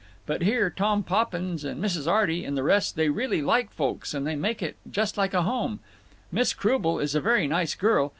But here Tom Poppins and Mrs. Arty and—the rest—they really like folks, and they make it just like a home…. Miss Croubel is a very nice girl.